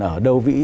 ở đâu vĩ